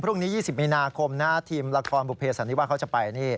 พรุ่งนี้๒๐มีนาคมทีมละครบุพเพศอันนี้ว่าเขาจะไป